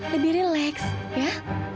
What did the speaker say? lebih relax ya